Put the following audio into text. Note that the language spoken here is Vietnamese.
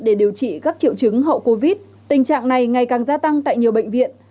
để điều trị các triệu chứng hậu covid tình trạng này ngày càng gia tăng tại nhiều bệnh viện